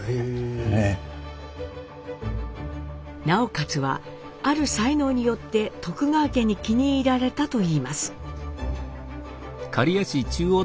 直勝はある才能によって徳川家に気に入られたといいます。